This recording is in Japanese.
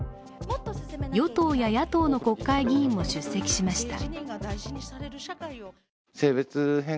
与党や野党の国会議員も出席しました。